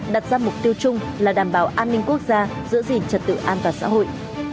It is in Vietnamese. đặt ra mục tiêu chung là đảm bảo an ninh quốc gia giữ gìn trật tự an toàn xã hội